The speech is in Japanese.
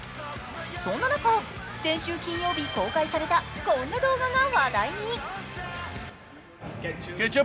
そんな中、先週金曜日公開されたこんな動画が話題に。